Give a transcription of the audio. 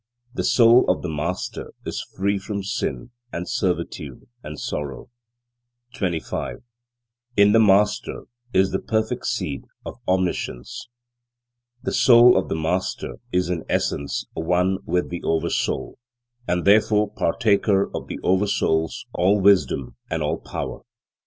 The Soul of the Master is free from sin and servitude and sorrow. 25. In the Master is the perfect seed of Omniscience. The Soul of the Master is in essence one with the Oversoul, and therefore partaker of the Oversoul's all wisdom and all power.